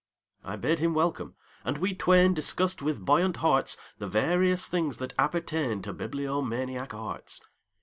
I bade him welcome, and we twainDiscussed with buoyant heartsThe various things that appertainTo bibliomaniac arts.